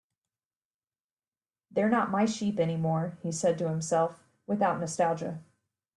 "They're not my sheep anymore," he said to himself, without nostalgia.